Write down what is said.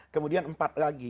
kemudian empat lagi